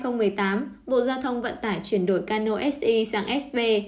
năm hai nghìn một mươi tám bộ giao thông vận tải chuyển đổi cano sb sang sb